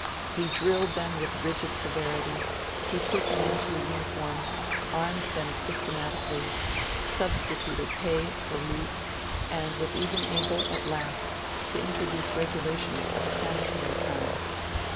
He drilled them with rigid severity; he put them into a uniform, armed them systematically, substituted pay for loot, and was even able, at last, to introduce regulations of a sanitary kind.